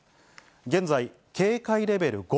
現在、警戒レベル５、